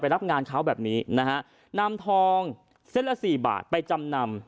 ไปรับงานเขาแบบนี้นำทองเสร็จละ๔บาทไปจำนำ